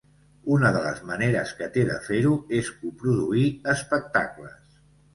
Una de les maneres que té de fer-ho és coproduir espectacles.